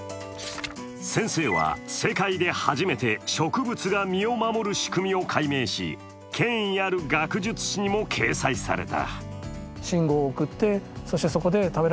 先生は世界で初めて、植物が身を守る仕組みを解明し、権威ある学術誌にも掲載された。